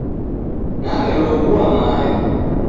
Naw'elow'ua mayo